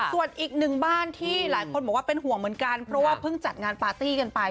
ส่วนอีกหนึ่งบ้านที่หลายคนบอกว่าเป็นห่วงเหมือนกันเพราะว่าเพิ่งจัดงานปาร์ตี้กันไป